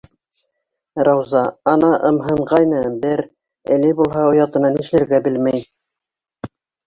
Рауза, ана, ымһынғайны бер, әле булһа оятынан нишләргә белмәй.